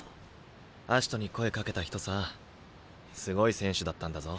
葦人に声かけた人さすごい選手だったんだぞ。